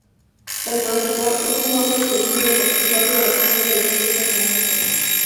El "Profesor" es un hombre que vive por su propia versión los Diez Mandamientos.